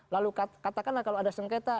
lalu katakanlah kalau ada sengketa